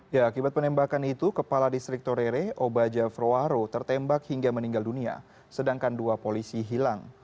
ya akibat penembakan itu kepala distrik torere obaja froaro tertembak hingga meninggal dunia sedangkan dua polisi hilang